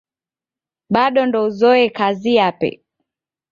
Bado ndouzoye kazi yape.